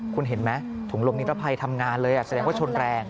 คุณเห็นไหมถุงลมนิรภัยทำงานเลยแสดงว่าชนแรง